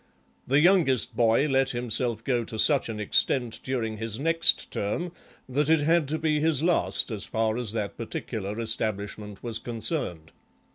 The youngest boy let himself go to such an extent during his next term that it had to be his last as far as that particular establishment was concerned.